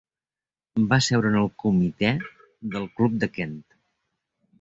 Va seure en el comitè del club de Kent.